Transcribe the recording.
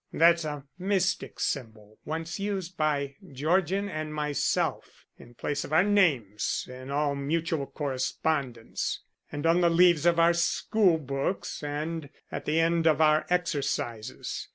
"That's a mystic symbol once used by Georgian and myself in place of our names in all mutual correspondence, and on the leaves of our school books and at the end of our exercises.